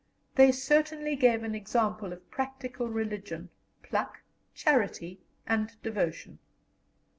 They certainly gave an example of practical religion, pluck, charity, and devotion.